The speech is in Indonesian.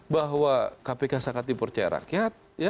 bahwa kpk sangat dipercaya rakyat